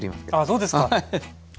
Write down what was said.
あそうですか。あ